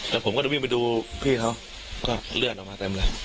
แล้วผมก็จะวิ่งไปดูพี่เขาก็เลือดออกมาเต็มเลย